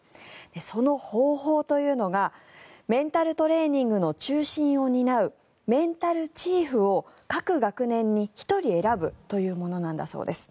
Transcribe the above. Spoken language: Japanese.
その方法というのがメンタルトレーニングの中心を担うメンタルチーフを各学年に１人選ぶというものなんだそうです。